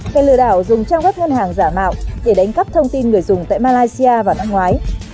hay lừa đảo dùng trang web ngân hàng giả mạo để đánh cắp thông tin người dùng tại malaysia vào năm ngoái